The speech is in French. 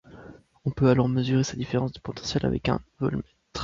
On peut alors mesurer sa différence de potentiel avec un voltmètre.